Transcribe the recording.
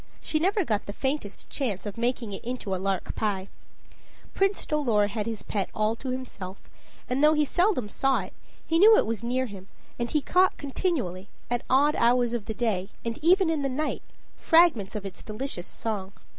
she never got the faintest chance of making it into a lark pie. Prince Dolor had his pet all to himself, and though he seldom saw it, he knew it was near him, and he caught continually, at odd hours of the day, and even in the night, fragments of its delicious song.